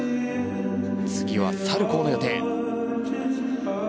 次はサルコウの予定。